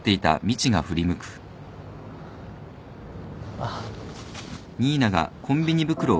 あっ。